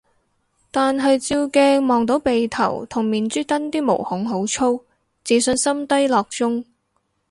但係照鏡望到鼻頭同面珠墩啲毛孔好粗，自信心低落中